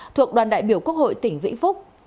thuộc đoàn đại biểu quốc hội tỉnh vĩnh phúc